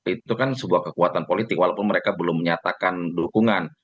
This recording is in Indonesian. itu kan sebuah kekuatan politik walaupun mereka belum menyatakan dukungan